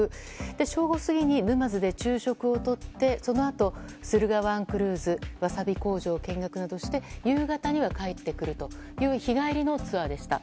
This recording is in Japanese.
正午過ぎに沼津で昼食をとってそのあと、駿河湾クルーズワサビ工場見学などをして夕方には帰ってくるという日帰りのツアーでした。